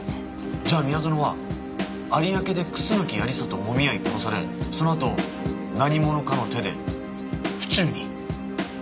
じゃあ宮園は有明で楠木亜理紗ともみ合い殺されそのあと何者かの手で府中に。